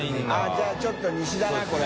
犬磴ちょっと西だなこれ。